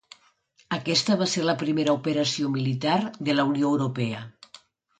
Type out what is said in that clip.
Aquesta va ser la primera operació militar de la Unió Europea.